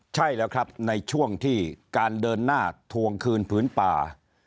ใช่แล้วครับในช่วงที่การเดินหน้าทวงคืนผืนป่า